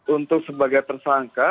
untuk sebagai tersangka